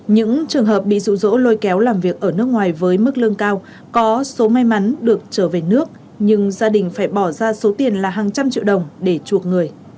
những trường hợp bị rụ rỗ lôi kéo làm việc ở nước ngoài với mức lương cao có số may mắn được trở về nước nhưng gia đình phải bỏ ra số tiền là hàng trăm triệu đồng để chuộc người